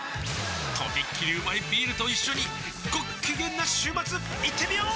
とびっきりうまいビールと一緒にごっきげんな週末いってみよー！